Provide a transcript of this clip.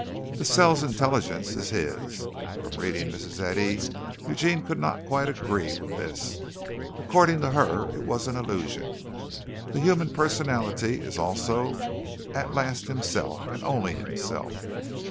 The cell's intelligence is His. (From reading Mrs. Eddy, Eugene could not quite agree with this. According to her, it was an illusion.) The human personality is also at last Himself and only Himself....